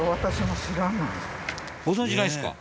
ご存じないですか？